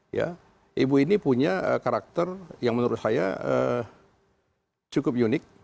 ya ibu ini punya karakter yang menurut saya cukup unik